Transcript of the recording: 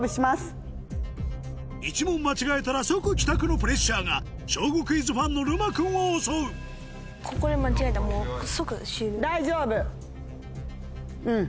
１問間違えたら即帰宅のプレッシャーが小５クイズファンのるま君を襲ううん。